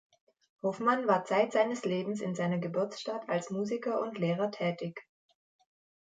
Hofmann war zeit seines Lebens in seiner Geburtsstadt als Musiker und Lehrer tätig.